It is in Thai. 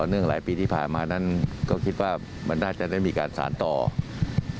เดือนวันของชาติ